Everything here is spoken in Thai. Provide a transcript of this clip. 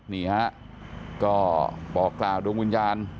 นี่ฮะก็บอกกล่าวดวงวิญญาณ